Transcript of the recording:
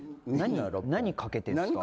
何かけてんですか？